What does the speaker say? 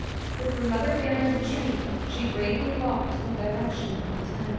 With her mother bearing her train she gravely walked in the direction of the town.